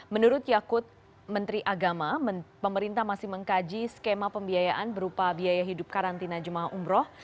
menurut yakut menteri agama pemerintah masih mengkaji skema pembiayaan berupa biaya hidup karantina jemaah umroh